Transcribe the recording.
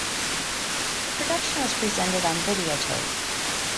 The production was presented on videotape.